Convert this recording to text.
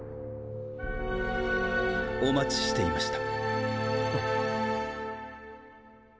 お待ちしていました。